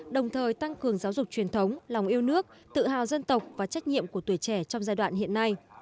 đồng thời tăng cường giáo dục truyền thống lòng yêu nước tự hào dân tộc và trách nhiệm của tuổi trẻ trong giai đoạn hiện nay